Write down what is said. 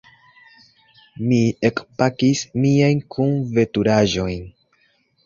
Mi ekpakis miajn kunveturaĵojn.